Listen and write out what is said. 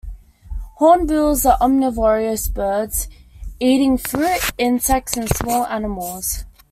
Hornbills are omnivorous birds, eating fruit, insects and small animals.